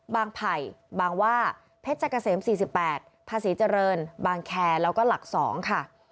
ไผ่บางว่าเพชรเกษม๔๘ภาษีเจริญบางแคร์แล้วก็หลัก๒ค่ะ